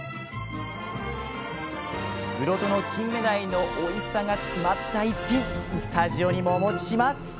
室戸のキンメダイのおいしさが詰まった一品スタジオにもお持ちします！